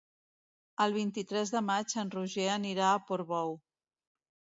El vint-i-tres de maig en Roger anirà a Portbou.